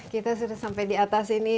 kita sudah sampai di atas ini